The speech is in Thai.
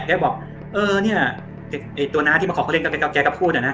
บอกเออเนี่ยไอ้ตัวน้าที่มาขอเขาเล่นกับแกก็พูดอ่ะนะ